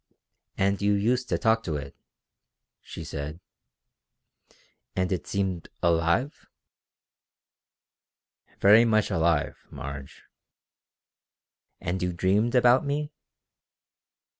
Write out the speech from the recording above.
"And you used to talk to it," she said, "and it seemed alive?" "Very much alive, Marge." "And you dreamed about me?"